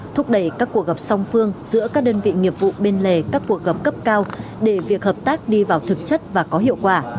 thúc đẩy các cuộc gặp song phương giữa các đơn vị nghiệp vụ bên lề các cuộc gặp cấp cao để việc hợp tác đi vào thực chất và có hiệu quả